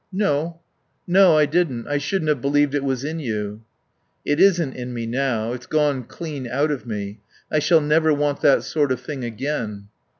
"No. No, I didn't. I shouldn't have believed it was in you." "It isn't in me now. It's gone clean out of me. I shall never want that sort of thing again."